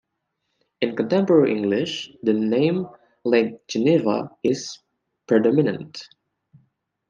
In contemporary English, the name "Lake Geneva" is predominant.